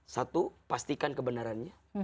satu pastikan kebenarannya